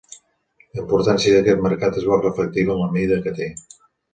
La importància d'aquest mercat es veu reflectida en la mida que té.